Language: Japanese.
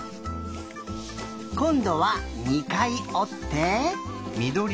こんどは２かいおって。